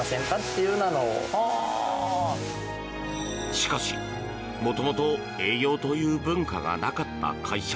しかし、元々営業という文化がなかった会社。